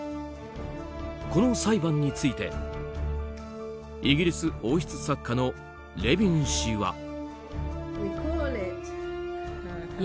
この裁判についてイギリス王室作家のレビン氏は。